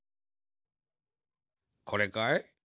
これかい？